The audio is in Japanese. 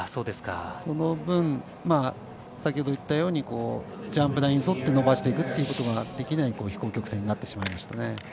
その分、先ほど言ったようにジャンプ台に沿って伸ばしていくということができない飛行曲線になってしまいました。